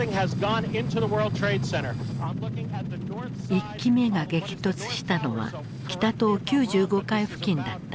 １機目が激突したのは北棟９５階付近だった。